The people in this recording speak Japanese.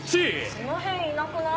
その辺いなくない？